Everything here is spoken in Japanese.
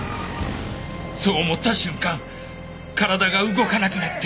そう思った瞬間体が動かなくなって。